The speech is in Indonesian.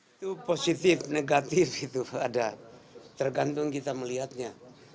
itu positif negatif itu ada tergantung kita melihatnya